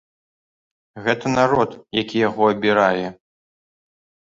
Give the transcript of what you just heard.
Гэта народ, які яго абірае.